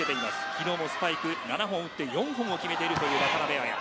昨日もスパイク７本打って４本を決めています。